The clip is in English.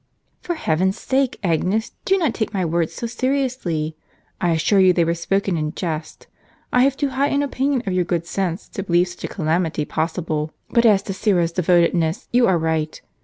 " For heaven's sake, Agnes, do not take my words so seriously. I assure you they were spoken in jest. I have too high an opinion of your good sense to believe such a calamity possible. But as to Syra's devotedness, you are right.